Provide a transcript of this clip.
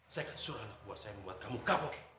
saya akan suruh anakku buat saya membuat kamu kapok